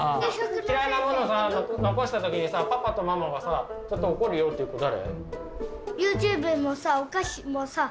嫌いなもの残したときにさパパとママはさちょっと怒るよっていう子誰？